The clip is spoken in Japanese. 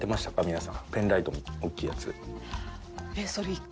皆さんペンライト大きいやつ。